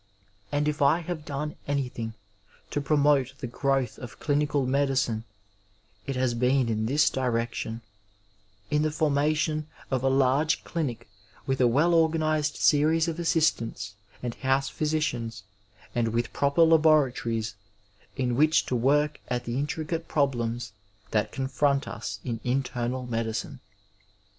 And if I have done anything to promote the growth of dinical medicine it has been in this direction, in the formation of a large clinic with a well organized series of assistants and house physicians and with proper laboratories in which to work at the intricate problems that confront us in internal medicine.